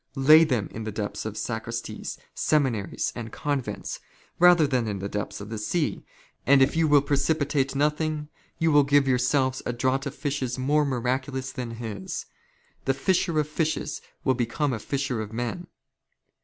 Lay them in the depths of " sacristies, seminaries, and convents, rather than in the depths of "the sea, and if you will precipitate nothing you will give " yourself a draught of fishes more miraculous than his. The " fisher of fishes will become a fisher of men.